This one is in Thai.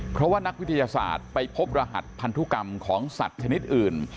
เพราะว่านักวิทยาศาสตร์ไปพบรหัสพันธุกรรมของสัตว์ชนิดอื่น